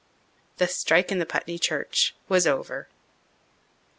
The strike in the Putney church was over.